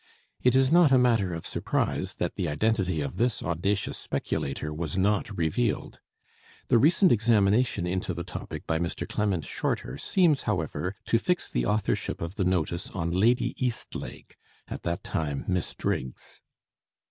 It is not a matter of surprise that the identity of this audacious speculator was not revealed. The recent examination into the topic by Mr. Clement Shorter seems, however, to fix the authorship of the notice on Lady Eastlake, at that time Miss Driggs.